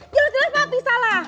jelas jelas papi salah